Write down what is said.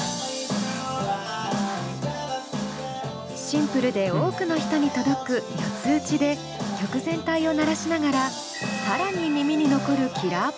シンプルで多くの人に届く４つ打ちで曲全体を鳴らしながら更に耳に残るキラーパートが。